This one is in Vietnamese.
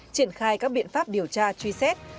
triển khai các biện pháp điều tra truy xét